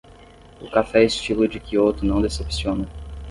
O café estilo de Quioto não decepciona.